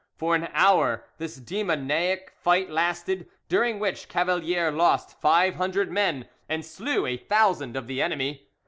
For an hour this demoniac fight lasted, during which Cavalier lost five hundred men and slew a thousand of the enemy.